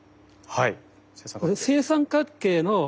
はい。